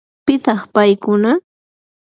¿pitaq paykuna?